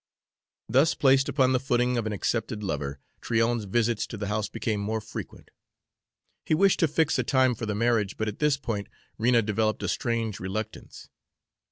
Thus placed upon the footing of an accepted lover, Tryon's visits to the house became more frequent. He wished to fix a time for the marriage, but at this point Rena developed a strange reluctance.